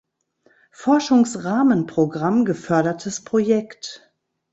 Forschungsrahmenprogramm gefördertes Projekt.